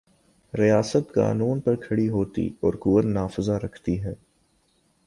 ریاست قانون پر کھڑی ہوتی اور قوت نافذہ رکھتی ہے۔